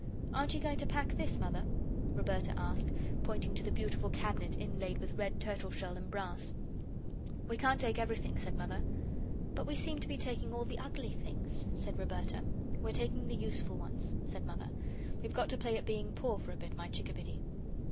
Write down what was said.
"Aren't you going to pack this, Mother?" Roberta asked, pointing to the beautiful cabinet inlaid with red turtleshell and brass. "We can't take everything," said Mother. "But we seem to be taking all the ugly things," said Roberta. "We're taking the useful ones," said Mother; "we've got to play at being Poor for a bit, my chickabiddy."